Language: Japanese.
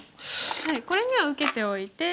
これには受けておいて。